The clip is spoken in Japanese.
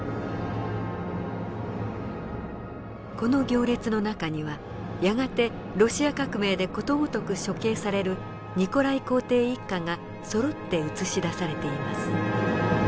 この行列の中にはやがてロシア革命でことごとく処刑されるニコライ皇帝一家がそろって映し出されています。